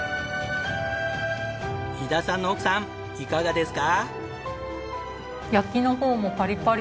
伊田さんの奥さんいかがですか？